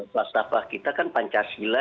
pasrafah kita kan pancasila